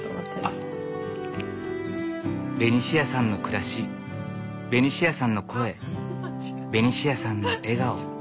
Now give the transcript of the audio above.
ベニシアさんの暮らしベニシアさんの声ベニシアさんの笑顔。